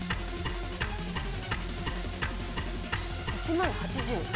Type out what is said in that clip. １万８０。